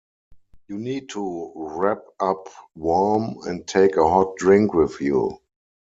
You need to wrap up warm and take a hot drink with you.